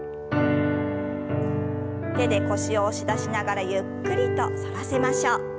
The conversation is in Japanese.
手で腰を押し出しながらゆっくりと反らせましょう。